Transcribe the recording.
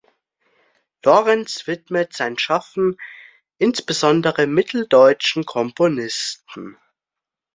Lorenz widmet sein Schaffen insbesondere mitteldeutschen Komponisten.